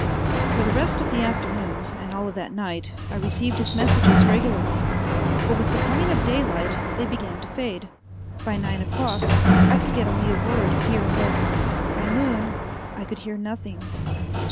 For the rest of the afternoon and all of that night I received his messages regularly, but with the coming of daylight they began to fade. By nine o'clock I could get only a word here and there. By noon I could hear nothing.